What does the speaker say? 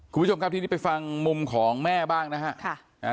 คุณผู้ชมครับทีนี้ไปฟังมุมของแม่บ้างนะฮะ